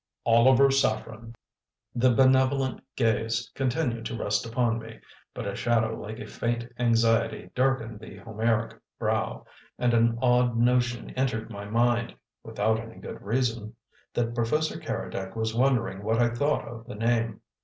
"Oliver Saffren." The benevolent gaze continued to rest upon me, but a shadow like a faint anxiety darkened the Homeric brow, and an odd notion entered my mind (without any good reason) that Professor Keredec was wondering what I thought of the name.